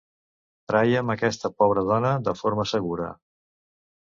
Traiem aquesta pobre dona de forma segura.